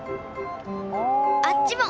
あっちも！